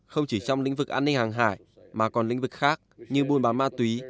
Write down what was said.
không chỉ trong lĩnh vực an ninh hàng hải mà còn lĩnh vực khác như buôn bán ma túy